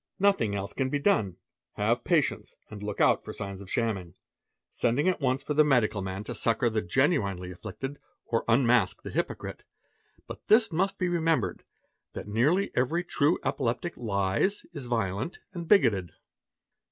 Nothing else can be done; have patience an look out for signs of shamming; sending at once for the medical man t SHAM FAINTING FITS 321 ~ succour the genuinely afflicted or unmask the hypocrite. But this must be remembered, that nearly, every true epileptic lies, is violent, and bigoted.